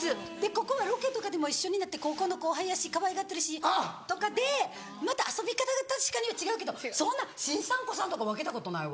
ここはロケとかでも一緒になって高校の後輩やしかわいがってるしとかでまた遊び方が確かに違うけどそんな新参古参とか分けたことないわ。